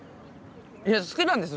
いや好きなんです